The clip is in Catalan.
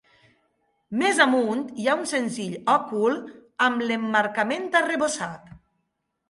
Més amunt hi ha un senzill òcul amb l'emmarcament arrebossat.